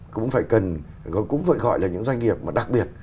cũng phải gọi là những doanh nghiệp đặc biệt